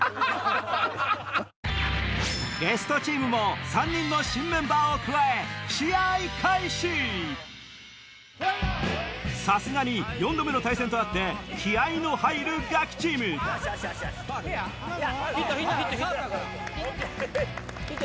ゲストチームも３人の新メンバーを加えさすがに４度目の対戦とあって気合の入るガキチームヒットヒットヒット！